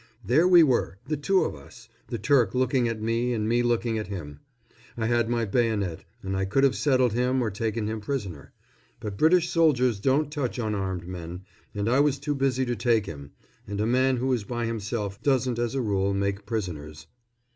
There we were, the two of us, the Turk looking at me and me looking at him. I had my bayonet, and I could have settled him or taken him prisoner; but British soldiers don't touch unarmed men, and I was too busy to take him and a man who is by himself doesn't as a rule make prisoners.